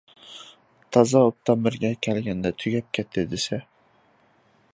تازا ئوبدان يېرىگە كەلگەندە تۈگەپ كەتتى دېسە.